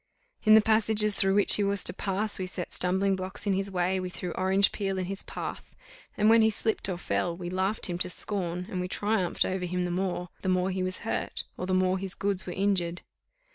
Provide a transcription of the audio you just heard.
In the passages through which he was to pass, we set stumbling blocks in his way, we threw orange peel in his path, and when he slipped or fell, we laughed him to scorn, and we triumphed over him the more, the more he was hurt, or the more his goods were injured.